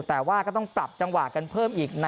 แต่ว่าก็ต้องปรับจังหวะกันเพิ่มอีก